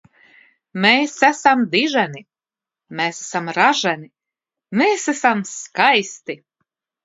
Mēs esam diženi! Mēs esam raženi! Mēs esam skaisti!